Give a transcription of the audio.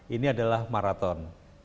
ini adalah maraton